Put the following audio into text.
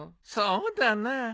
そうだな。